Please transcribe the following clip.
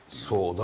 そう。